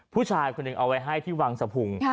ผู้ชายเขาอย่างนึงเอาไว้ให้ที่วางสะพง